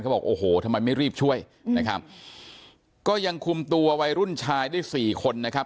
บอกโอ้โหทำไมไม่รีบช่วยนะครับก็ยังคุมตัววัยรุ่นชายได้สี่คนนะครับ